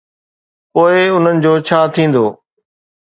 پوءِ انهن جو ڇا ٿيندو؟